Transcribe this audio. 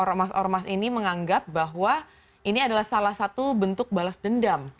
ormas ormas ini menganggap bahwa ini adalah salah satu bentuk balas dendam